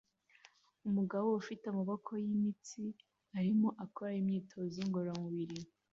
Umugabo ufite amaboko yimitsi arimo akora imyitozo ngororamubiri